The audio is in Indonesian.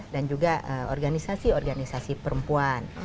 dan juga organisasi organisasi perempuan